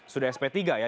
sudah sp tiga ya